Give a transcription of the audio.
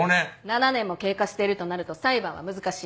７年も経過しているとなると裁判は難しい。